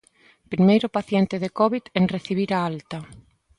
Primeiro paciente de Covid en recibir a alta.